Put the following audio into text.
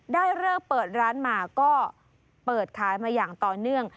ได้เริ่มเปิดร้านมาก็เปิดขายมาต่อเนื่อง